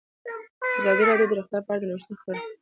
ازادي راډیو د روغتیا په اړه د نوښتونو خبر ورکړی.